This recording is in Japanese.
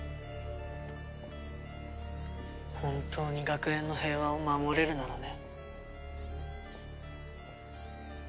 本当に学園の平和を守れるならね。